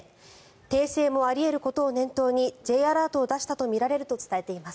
訂正もあり得ることを念頭にＪアラートを出したとみられると伝えています。